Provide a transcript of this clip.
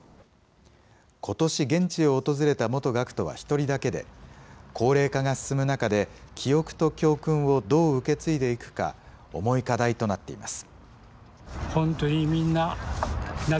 ことし現地を訪れた元学徒は１人だけで、高齢化が進む中で、記憶と教訓をどう受け継いでいくか、重い課題となっています。